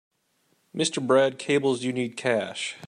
Mr. Brad cables you need cash.